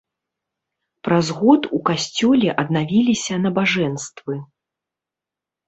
Праз год у касцёле аднавіліся набажэнствы.